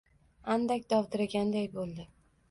Andak dovdiraganday bo‘ldi